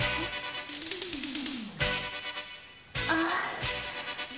ああ。